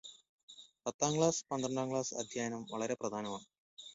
പത്താം ക്ലാസ്, പന്ത്രണ്ടാം ക്ലാസ് അധ്യയനം വളരെ പ്രധാനമാണ്.